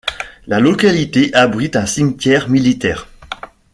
La localité abrite un cimetière militaire.